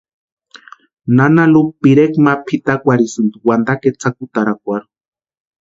Nana Lupa pirekwa ma pʼitakwʼarhisti wantakwa etsakutarakwarhu.